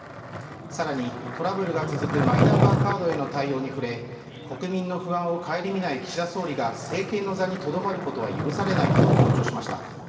更に、トラブルが続くマイナンバーカードへの対応に触れ国民の不安を顧みない岸田総理が政権の座にとどまることは許されないと強調しました。